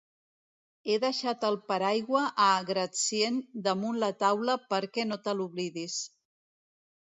He deixat el paraigua a gratcient damunt la taula perquè no te l'oblidis.